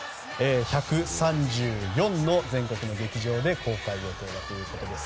１３４の全国の劇場で公開予定だということです。